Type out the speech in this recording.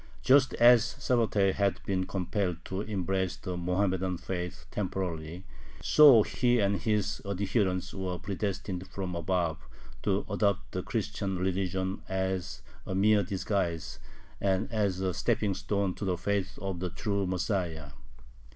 Just as Sabbatai had been compelled to embrace the Mohammedan faith temporarily, so he and his adherents were predestined from above to adopt the Christian religion as a mere disguise and as a stepping stone to the "faith of the true Messiah."